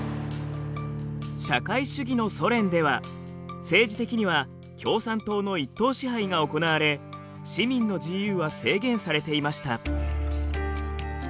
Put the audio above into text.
社会主義のソ連では政治的には共産党の一党支配が行われ市民の自由は制限されていました。